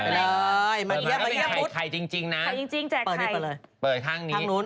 เปิดข้างในเลยเปิดข้างนี้เปิดข้างนู้น